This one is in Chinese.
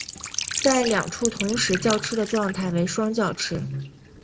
在两处同时叫吃的状态为双叫吃。